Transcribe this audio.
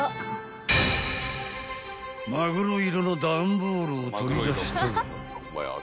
［まぐろ色の段ボールを取り出したが］